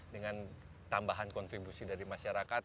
dengan tambahan kontribusi dari masyarakat